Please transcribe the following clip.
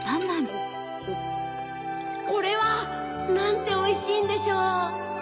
これは！なんておいしいんでしょう